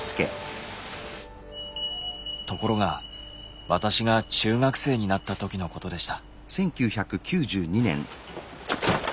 ところが私が中学生になったときのことでした。